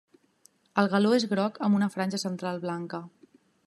El galó és groc amb una franja central blanca.